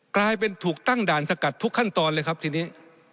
กลายเป็นถูกตั้งด่านสกัดทุกขั้นตอนเลยครับทีนี้